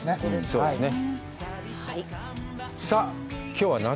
そうですね